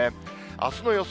あすの予想